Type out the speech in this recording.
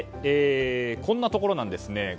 こんなところなんですね。